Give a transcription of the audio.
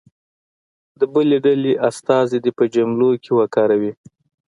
د بلې ډلې استازی دې په جملو کې وکاروي.